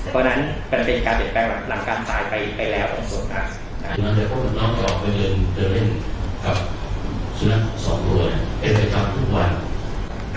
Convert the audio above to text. เพราะฉะนั้นเป็นการเปลี่ยนแปลงหลังการตายไปไปแล้วตรงส่วนหน้า